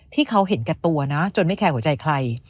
ที่เขาเห็นแก่ตัวนะจนไม่แคร์หัวใจใคร